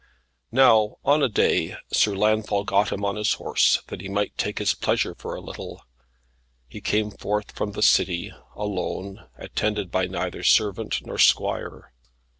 Now, on a day, Sir Launfal got him on his horse, that he might take his pleasure for a little. He came forth from the city, alone, attended by neither servant nor squire.